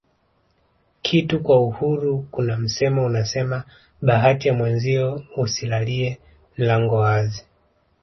kitu kwa uhuru Kuna msemo unasema bahati ya mwenzio usilalie mlango wazi